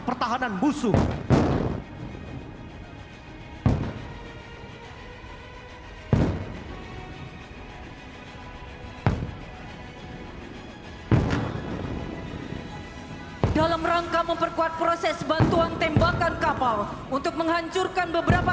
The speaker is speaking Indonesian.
pertahanan busuk dalam rangka memperkuat proses bantuan tembakan kapal untuk menghancurkan beberapa